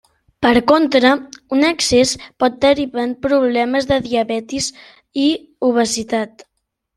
Per contra, un excés pot derivar en problemes de diabetis i obesitat.